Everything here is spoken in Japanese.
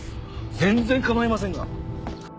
全然構いませんが。